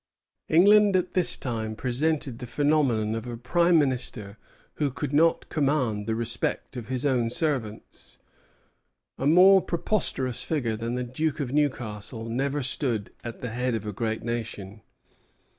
England at this time presented the phenomenon of a prime minister who could not command the respect of his own servants. A more preposterous figure than the Duke of Newcastle never stood at the head of a great nation.